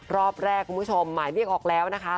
รอบแรกคุณผู้ชมหมายเรียกออกแล้วนะคะ